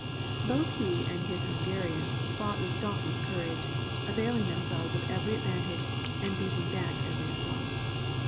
Both he and his Hungarians fought with dauntless courage, availing themselves of every advantage and beating back every assault.